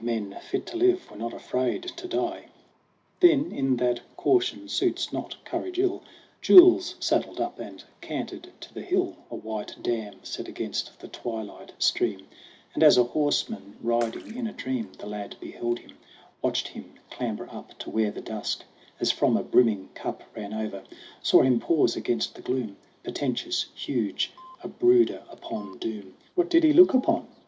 Men, fit to live, were not afraid to die ! Then, in that caution suits not courage ill, Jules saddled up and cantered to the hill, A white dam set against the twilight stream ; And as a horseman riding in a dream The lad beheld him ; watched him clamber up To where the dusk, as from a brimming cup, Ran over ; saw him pause against the gloom, Portentous, huge a brooder upon doom. What did he look upon